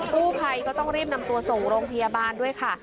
กู้ภัยก็ต้องรีบนำตัวส่งโรงพยาบาลด้วยค่ะ